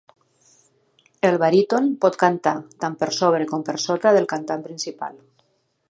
El baríton pot cantar tant per sobre com per sota del cantant principal.